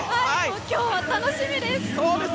今日は楽しみです。